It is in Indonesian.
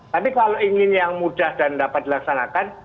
tapi kalau ingin yang mudah dan dapat dilaksanakan